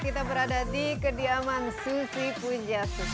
kita berada di kediaman susi pujasu